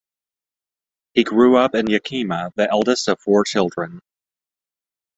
He grew up in Yakima, the eldest of four children.